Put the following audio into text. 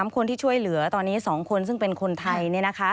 คนที่ช่วยเหลือตอนนี้๒คนซึ่งเป็นคนไทย